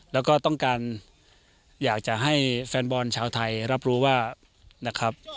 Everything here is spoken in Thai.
แล้วก็ต้องการอยากจะให้แฟนบอลชาวไทยรับรู้ว่านะครับ